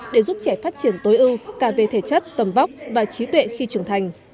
để giúp trẻ phát triển tối ưu cả về thể chất tầm vóc và trí tuệ khi trưởng thành